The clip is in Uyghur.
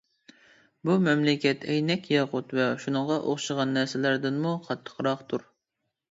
بۇ مەملىكەت ئەينەك، ياقۇت ۋە شۇنىڭغا ئوخشىغان نەرسىلەردىنمۇ قاتتىقراقتۇر.